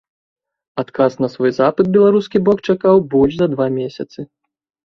Адказ на свой запыт беларускі бок чакаў больш за два месяцы.